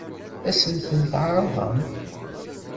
Ad sen-ten-ɛeṛḍen?